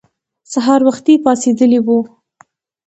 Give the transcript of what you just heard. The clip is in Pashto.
سهار وختي پاڅېدلي وو.